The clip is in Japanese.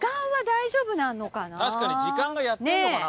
確かに時間がやってるのかな？